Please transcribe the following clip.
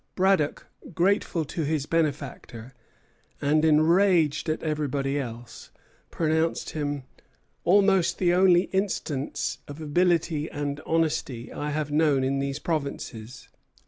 Braddock, grateful to his benefactor, and enraged at everybody else, pronounced him "Almost the only instance of ability and honesty I have known in these provinces."